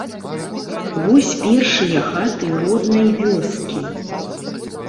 Вось першыя хаты роднай вёскі.